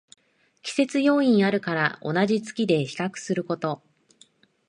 季節要因あるから同じ月で比較すること